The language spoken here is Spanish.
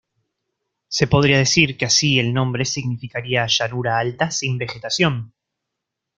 Se podría decir que así el nombre significaría "llanura alta sin vegetación".